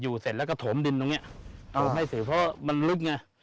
อยู่เสร็จแล้วก็ถมดินตรงนี้ถมให้สิเพราะมันลึกไง